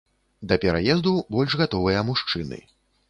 Да пераезду больш гатовыя мужчыны.